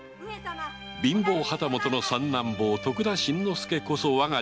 貧乏旗本の三男坊・徳田新之助こそ我が人生の伴侶